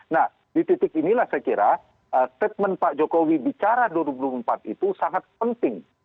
nah di titik inilah saya kira statement pak jokowi bicara dua ribu dua puluh empat itu sangat penting